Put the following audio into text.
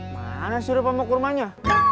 mana sirupnya mau ke rumahnya